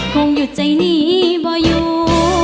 คงหยุดใจนี้บ่อยู่